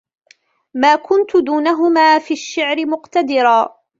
ما كنتُ دونهما في الشعرِ مقتدراً